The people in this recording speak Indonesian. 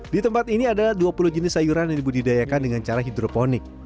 di tempat ini ada dua puluh jenis sayuran yang dibudidayakan dengan cara hidroponik